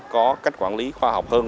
có cách quản lý khoa học hơn